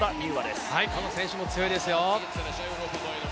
この選手も強いですよ。